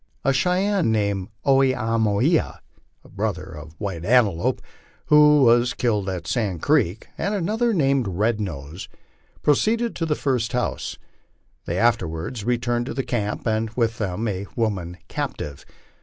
A Cheyenne named Oh e ah mo he a, a brother of White Antelope, who was killed at Sand Creek, and another named Red Nose, proceeded to the first house; they afterwards returned to the camp and with them a woman captive.